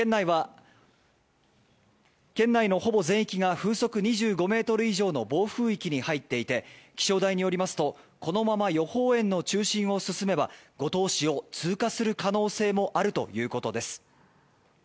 県内のほぼ全域が風速２５メートル以上の暴風域に入っていて、気象台によりますとこのまま予報円の中心を進めば五島市を通過する可能性もあるということです。